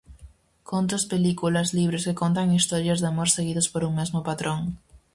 Contos, películas, libros que contan historias de amor seguidas por un mesmo patrón.